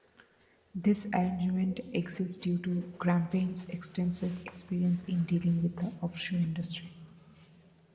This arrangement exists due to Grampian's extensive experience in dealing with the offshore industry.